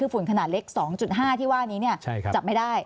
ฝุ่นขนาดเล็ก๒๕ที่ว่านี้จับไม่ได้